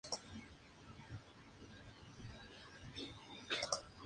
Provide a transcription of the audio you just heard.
Ha sido registrada en la Antártida.